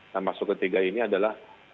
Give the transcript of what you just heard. nah masuk ke tiga ini adalah